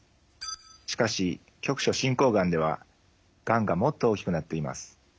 しかし局所進行がんではがんがもっと大きくなっています。